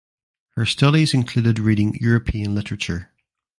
Her studies included reading European literature.